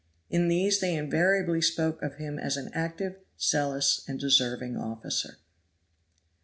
In these they invariably spoke of him as an active, zealous and deserving officer.